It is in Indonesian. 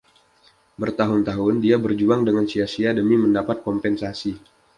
Bertahun-tahun dia berjuang dengan sia-sia demi mendapat kompensasi.